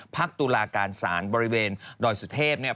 ตุลาการศาลบริเวณดอยสุเทพเนี่ย